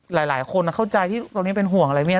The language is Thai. หลายคนเข้าใจที่ตอนนี้เป็นห่วงอะไรเนี่ย